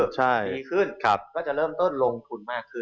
ดีขึ้นก็จะเริ่มต้นลงทุนมากขึ้น